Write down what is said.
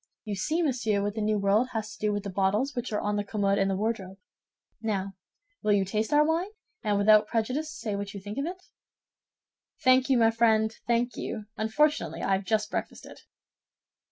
You see, monsieur, what the New World has to do with the bottles which are on the commode and the wardrobe. Now, will you taste our wine, and without prejudice say what you think of it?" "Thank you, my friend, thank you; unfortunately, I have just breakfasted."